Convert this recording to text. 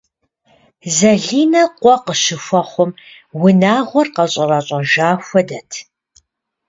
Залинэ къуэ къыщыхуэхъум, унагъуэр къэщӏэрэщӏэжа хуэдэт.